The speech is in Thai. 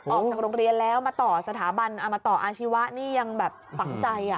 ออกจากโรคเรียนแล้วมาต่ออาชีวะนี่ยังแบบฝังใจ